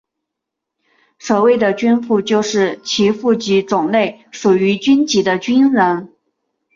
所谓的军户就是其户籍种类属于军籍的军人。